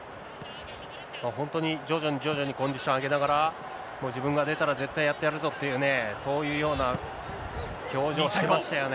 本当に徐々に徐々にコンディションを上げながら、もう自分が出たら、絶対やってやるぞっていうね、そういうような表情を見せましたよね。